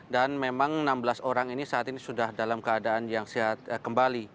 dan memang enam belas orang ini saat ini sudah dalam keadaan yang sehat kembali